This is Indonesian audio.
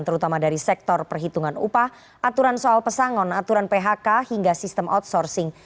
terutama dari sektor perhitungan upah aturan soal pesangon aturan phk hingga sistem outsourcing